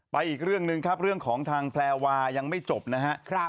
อีกเรื่องหนึ่งครับเรื่องของทางแพลวายังไม่จบนะครับ